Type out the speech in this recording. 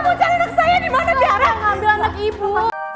nggak aku ambil anak ibu